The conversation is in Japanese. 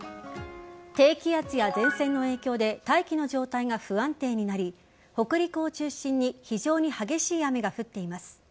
低気圧や前線の影響で大気の状態が不安定になり北陸を中心に非常に激しい雨が降っています。